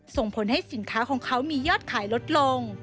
ส่งผลให้สินค้าของเขามียอดขายลดลง